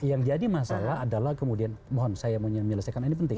yang jadi masalah adalah kemudian mohon saya menyelesaikan ini penting